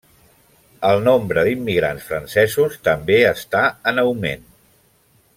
El nombre d'immigrants francesos també està en augment.